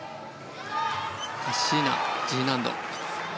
カッシーナ、Ｇ難度。